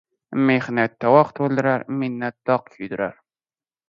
Mehnat tovoq to'ldirar, minnat toq kuydirar.